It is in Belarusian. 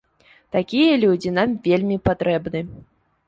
Такія людзі нам вельмі патрэбны.